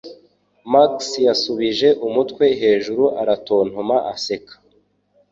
Max yasubije umutwe hejuru aratontoma aseka